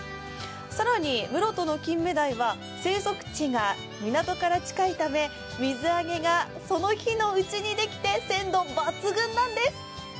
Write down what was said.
更に室戸のキンメダイは生息地が港から近いため水揚げがその日のうちにできて鮮度抜群なんです。